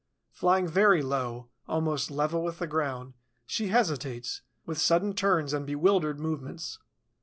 Flying very low, almost level with the ground, she hesitates, with sudden turns and bewildered movements.